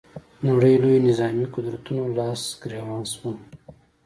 نړۍ لویو نظامي قدرتونو لاس ګرېوان شول